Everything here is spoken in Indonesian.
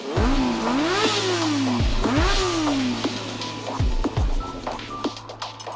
ini mah jika nasuk angin motor eh